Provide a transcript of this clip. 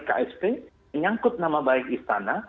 ksp menyangkut nama baik istana